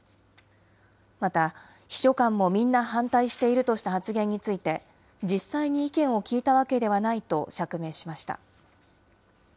また、秘書官もみんな反対しているとした発言について、実際に意見を聞いたわけではないと釈明しました。